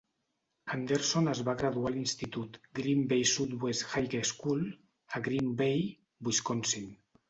Anderson es va graduar a l'institut Green Bay Southwest High School, a Green Bay, Wisconsin.